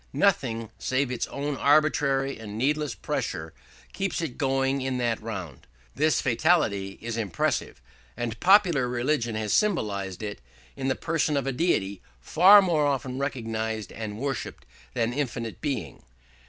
Nothing save its own arbitrary and needless pressure keeps it going in that round. This fatality is impressive, and popular religion has symbolised it in the person of a deity far more often recognised and worshipped than infinite Being.